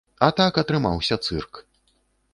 А так атрымаўся цырк.